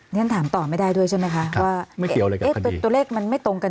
งั้นถามต่อไม่ได้ด้วยใช่ไหมคะว่าตัวเลขมันไม่ตรงกันจริงหรือเปล่า